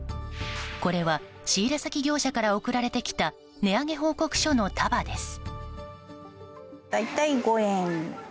これは仕入れ先業者から送られてきた値上げ報告書の束です。